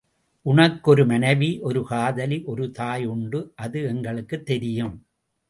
உனக்கு ஒரு மனைவி ஒரு காதலி ஒரு தாய் உண்டு அது எங்களுக்குத் தெரியும்.